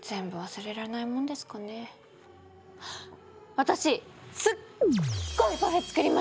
私すっごいパフェ作りますよ！